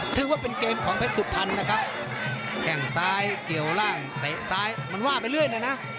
ถือว่าเป็นเกมของเพชรสุพรรณนะครับแข่งซ้ายเกี่ยวล่างเตะซ้ายมันว่าไปเรื่อยเลยนะ